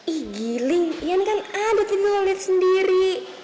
ih giling ian kan ada tadi lo liat sendiri